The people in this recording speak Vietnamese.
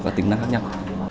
các tính năng khác nhau